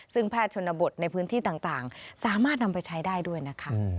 ซึ่งแพทย์ชนบทในพื้นที่ต่างสามารถนำไปใช้ได้ด้วยนะคะ